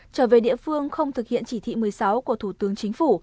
trở về địa phương không thực hiện chỉ thị một mươi sáu của thủ tướng chính phủ